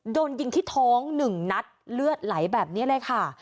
โดนยิงที่ท้อง๑นัดเลือดไหลแบบนี้เลยค่ะ